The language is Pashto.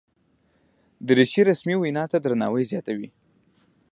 دریشي رسمي وینا ته درناوی زیاتوي.